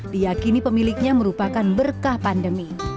diakini pemiliknya merupakan berkah pandemi